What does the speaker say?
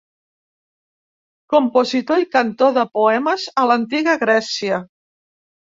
Compositor i cantor de poemes a l'antiga Grècia.